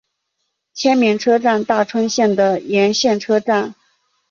千绵车站大村线的沿线车站。